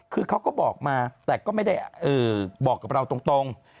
คือเขาก็บอกมาแต่ก็ไม่ได้บอกกับเราตรง